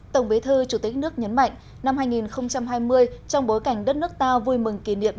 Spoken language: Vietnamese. tổng bí thư chủ tịch nước nhấn mạnh năm hai nghìn hai mươi trong bối cảnh đất nước ta vui mừng kỷ niệm